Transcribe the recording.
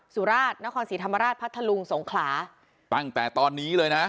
สุราชนครศรีธรรมราชพัทธลุงสงขลาตั้งแต่ตอนนี้เลยนะ